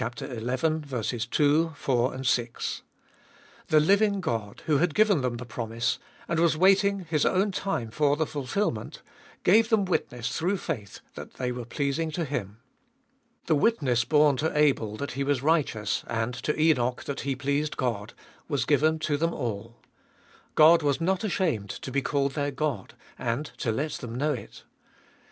2, 4, 6). The living God, who had given them the promise, and was waiting His own time for the fulfilment, gave them witness through faith that they were pleas ing to Him. The witness borne to Abel that he was righteous, and 474 Hbe •holiest of to Enoch that he pleased God, was given to them all. God was not ashamed to be called their God, and to let them know it.